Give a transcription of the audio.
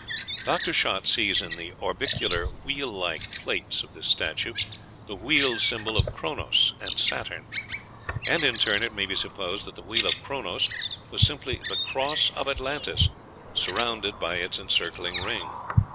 Dr. Schott sees in the orbicular wheel like plates of this statue the wheel symbol of Kronos and Saturn; and, in turn, it may be supposed that the wheel of Kronos was simply the cross of Atlantis, surrounded by its encircling ring.